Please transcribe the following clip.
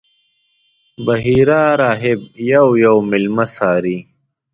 بحیرا راهب یو یو میلمه څاري.